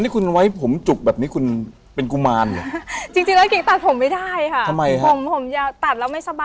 คุณตัดผมไม่ได้